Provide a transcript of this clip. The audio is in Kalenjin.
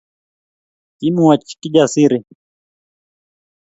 Kimwoch Kijasiri